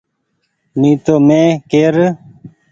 ني تو مين ڪير سئو۔